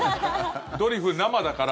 「ドリフ」、生だから。